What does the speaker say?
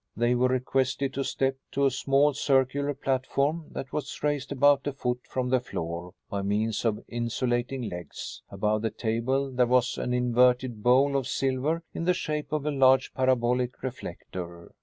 They were requested to step to a small circular platform that was raised about a foot from the floor by means of insulating legs. Above the table there was an inverted bowl of silver in the shape of a large parabolic reflector.